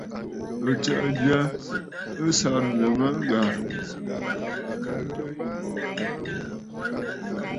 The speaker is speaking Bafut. Àtsə̀ʼə̀ já á sáʼánə́mə́ ghàrə̀.